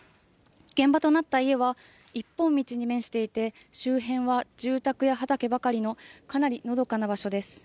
現場となった家は、一本道に面していて、周辺は住宅や畑ばかりの、かなりのどかな場所です。